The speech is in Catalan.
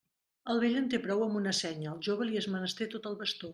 El vell en té prou amb una senya, al jove li és menester tot el bastó.